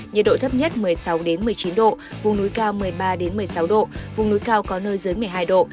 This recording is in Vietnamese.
nhiệt độ thấp nhất một mươi sáu một mươi chín độ vùng núi cao một mươi ba một mươi sáu độ vùng núi cao có nơi dưới một mươi hai độ